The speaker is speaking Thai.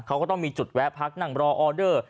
เขาก็ต้องมีจุดแวะพักนั่งรอออเดอร์